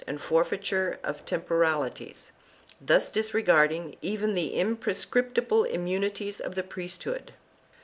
and forfeiture of temporalities, thus disregarding even the imprescriptible immu nities of the priesthood.